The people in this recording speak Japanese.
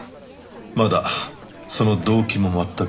まだその動機も全く。